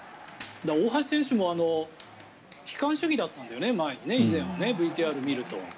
大橋選手も、以前は悲観主義だったんだよねＶＴＲを見ると。